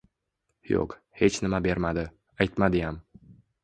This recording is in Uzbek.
Yoʻq, hech nima bermadi, aytmadiyam.